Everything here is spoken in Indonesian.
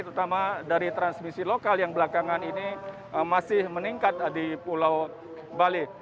terutama dari transmisi lokal yang belakangan ini masih meningkat di pulau bali